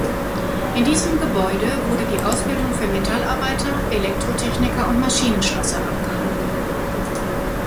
In diesem Gebäude wurde die Ausbildung für Metallarbeiter, Elektrotechniker und Maschinenschlosser abgehalten.